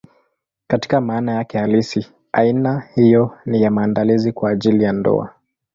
Katika maana yake halisi, aina hiyo ni ya maandalizi kwa ajili ya ndoa.